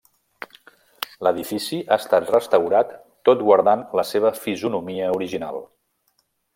L'edifici ha estat restaurat tot guardant la seva fisonomia original.